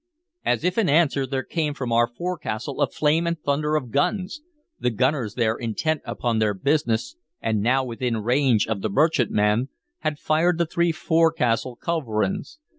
As if in answer there came from our forecastle a flame and thunder of guns. The gunners there, intent upon their business, and now within range of the merchantman, had fired the three forecastle culverins.